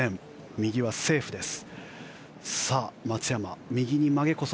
右はセーフです。